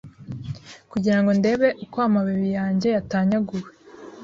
Kugirango ndebe uko amababi yanjye yatanyaguwe